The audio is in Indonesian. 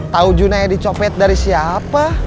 tahu junaedi copet dari siapa